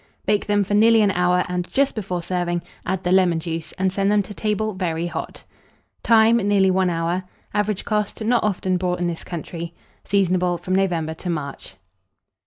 Bake them for nearly an hour, and, just before serving, add the lemon juice, and send them to table very hot. Time. Nearly 1 hour. Average cost. Not often bought in this country. Seasonable from November to March.